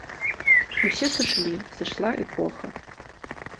Усе сышлі, сышла эпоха.